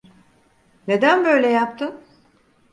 Neden böyle yaptın?